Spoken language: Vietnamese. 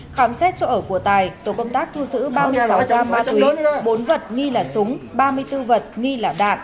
khám xét chỗ ở của tài tổ công tác thu giữ ba mươi sáu gram ma túy bốn vật nghi là súng ba mươi bốn vật nghi là đạn